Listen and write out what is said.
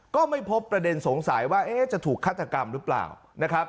ก็ไม่พบประเด็นสงสัยว่าจะถูกฆาตกรรมหรือเปล่านะครับ